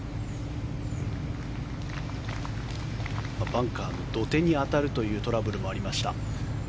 バンカーの土手に当たるというトラブルもありました。